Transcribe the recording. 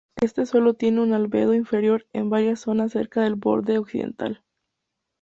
Este suelo tiene un albedo inferior en varias zonas cerca del borde occidental.